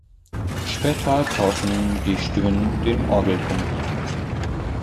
Später tauschen die Stimmen den Orgelpunkt.